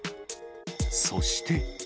そして。